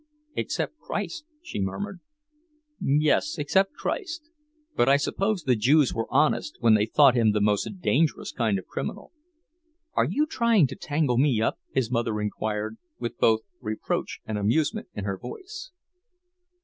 "Except Christ," she murmured. "Yes, except Christ. But I suppose the Jews were honest when they thought him the most dangerous kind of criminal." "Are you trying to tangle me up?" his mother inquired, with both reproach and amusement in her voice.